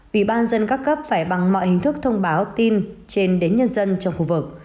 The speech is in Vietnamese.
ủy ban dân các cấp phải bằng mọi hình thức thông báo tin trên đến nhân dân trong khu vực